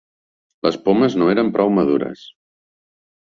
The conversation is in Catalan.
Les pomes no eren prou madures.